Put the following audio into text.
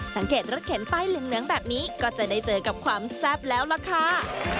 สังเกตรถเข็นป้ายเหลืองแบบนี้ก็จะได้เจอกับความแซ่บแล้วล่ะค่ะ